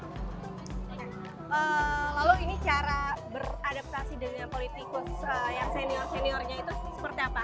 lalu ini cara beradaptasi dengan politikus yang senior seniornya itu seperti apa